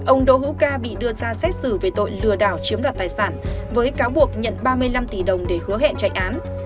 ông đỗ hữu ca bị đưa ra xét xử về tội lừa đảo chiếm đoạt tài sản với cáo buộc nhận ba mươi năm tỷ đồng để hứa hẹn chạy án